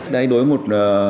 đây đối với một